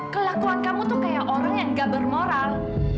kelakuan kamu tuh kayak orang yang gak bermoral